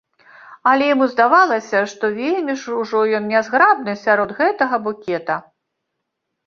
Але яму здавалася, што вельмі ж ужо ён нязграбны сярод гэтага букета.